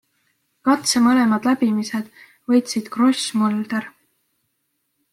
Katse mõlemad läbimised võitsid Gross - Mõlder.